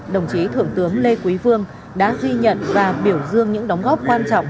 đồng chí thượng tướng lê quý vương đã ghi nhận và biểu dương những đóng góp quan trọng